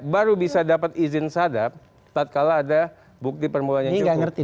baru bisa dapat izin sadap tak kala ada bukti permulaannya cukup